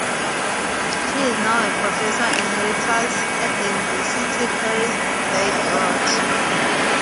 She is now a professor emeritus at the University Paris Diderot.